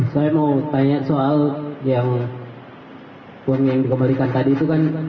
saya mau tanya soal yang uang yang dikembalikan tadi itu kan